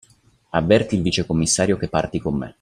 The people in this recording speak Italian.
"Avverti il vice-commissario che parti con me.